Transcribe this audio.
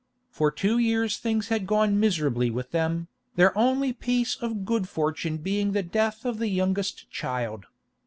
For two years things had gone miserably with them, their only piece of good fortune being the death of the youngest child.